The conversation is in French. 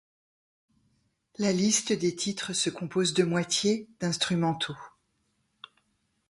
La liste des titres se compose de moitié d'instrumentaux.